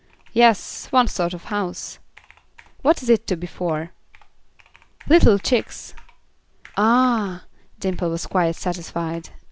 "Yes, one sort of house." "What is it to be for?" "Little chicks." "Ah!" Dimple was quite satisfied.